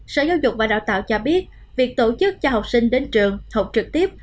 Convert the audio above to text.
sở giáo dục và đào tạo cho biết việc tổ chức cho học sinh đến trường học trực tiếp